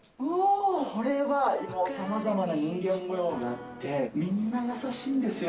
これは、さまざまな人間もようがあって、みんな優しいんですよ。